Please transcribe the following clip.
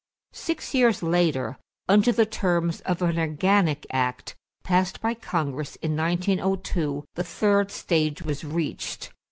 Six years later, under the terms of an organic act, passed by Congress in 1902, the third stage was reached.